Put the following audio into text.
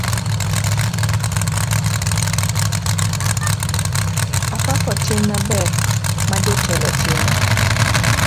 Apako tim maber ma jatelo otimo.